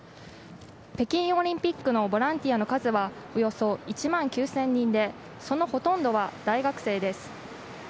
北京オリンピックのボランティアの数はおよそ１万９０００人でそのほとんどは大学生です。